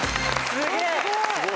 すげえ。